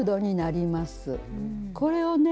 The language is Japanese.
これをね